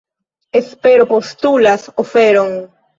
Espero postulas oferon.